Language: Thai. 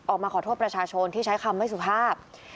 ออกมาขอโทษประชาชนที่ใช้คำไม่สุภาพ